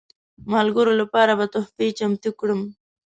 ملګرو لپاره به تحفې چمتو کړم.